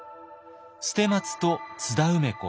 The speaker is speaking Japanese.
捨松と津田梅子